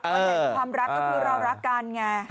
แต่ความรักก็คือเรารักกันไง